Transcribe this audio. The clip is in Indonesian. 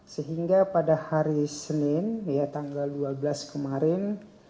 sehingga pada hari senin tanggal dua belas kemarin